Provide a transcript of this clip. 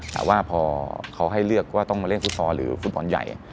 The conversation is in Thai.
แต่ว่าพอเขาให้เลือกว่าต้องมาเล่นฟุตซอลหรือฟุตบอลใหญ่